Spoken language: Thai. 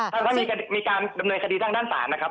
ถ้ามีการดำเนินคดีทางด้านศาลนะครับ